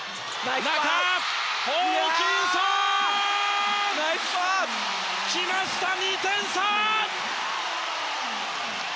中、ホーキンソン！来ました、２点差！